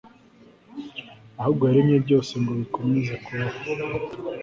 ahubwo yaremye byose ngo bikomeze kubaho